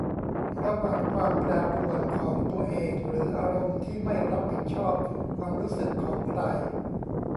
ระวังความแปรปรวนของตัวเองหรืออารมณ์ที่ไม่รับผิดชอบความรู้สึกของใคร